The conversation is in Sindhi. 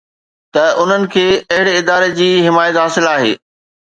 ته انهن کي اهڙي اداري جي حمايت حاصل آهي